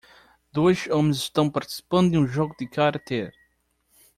Dois homens estão participando de um jogo de karatê.